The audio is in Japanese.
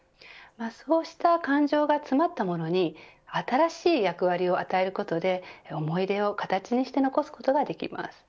そうした感情が詰まったものに新しい役割を与えることで思い出を形にして残すことができます。